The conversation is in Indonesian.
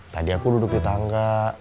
tadi aku duduk di tangga